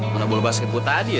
mana bola basket gue tadi ya